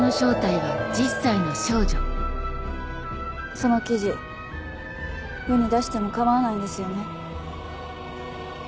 その記事世に出しても構わないんですよね？